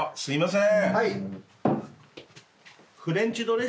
すいません。